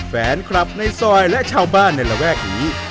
แฟนคลับในซอยและชาวบ้านในระแวกนี้